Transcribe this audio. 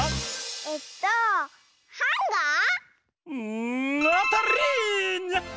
えっとハンガー？んあたりニャ！